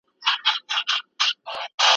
د روغتيا کوچني عادتونه مهم دي.